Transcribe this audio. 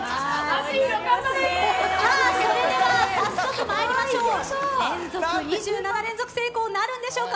それでは早速まいりましょう２７連続成功なるんでしょうか。